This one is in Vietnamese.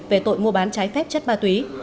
về tội mua bán trái phép chất ma túy